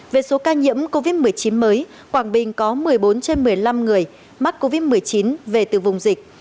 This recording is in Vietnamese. về số ca nhiễm covid một mươi chín mới quảng bình có một mươi bốn trên một mươi năm người mắc covid một mươi chín về từ vùng dịch